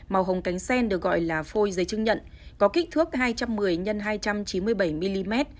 màu hồng cánh sen được gọi là phôi giấy chứng nhận có kích thước hai trăm một mươi x hai trăm chín mươi bảy mm